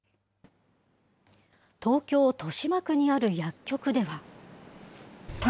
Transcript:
東京・豊島区にある薬局では。